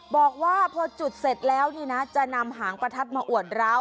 บอกว่าพอจุดเสร็จแล้วนี่นะจะนำหางประทัดมาอวดร้าว